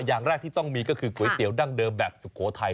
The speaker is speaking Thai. อย่างแรกที่ต้องมีก็คือก๋วยเตี๋ยวดั้งเดิมแบบสุโขทัย